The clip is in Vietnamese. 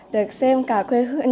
được xem cả quê hương